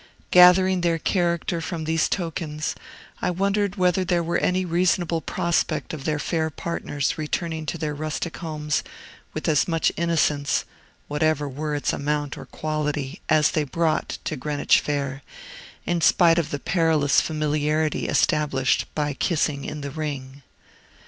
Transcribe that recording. Gathering their character from these tokens, I wondered whether there were any reasonable prospect of their fair partners returning to their rustic homes with as much innocence (whatever were its amount or quality) as they brought, to Greenwich Fair, in spite of the perilous familiarity established by Kissing in the Ring.